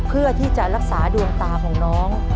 เพื่อที่จะรักษาดวงตาของน้อง